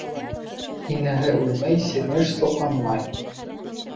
Инәһе үлмәй сирмеш суҡынмай.